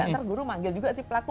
nanti guru manggil juga si pelaku